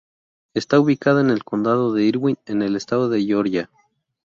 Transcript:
Está ubicada en el condado de Irwin, en el estado de Georgia.